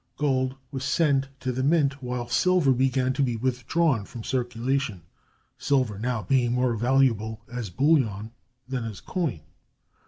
Gold was sent to the mint, while silver began to be withdrawn from circulation, silver now being more valuable as bullion than as coin.